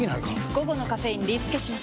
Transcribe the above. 午後のカフェインリスケします！